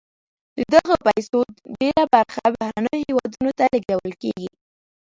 د دغه پیسو ډېره برخه بهرنیو هېوادونو ته لیږدول کیږي.